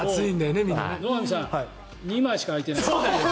野上さん２枚しか開いていない。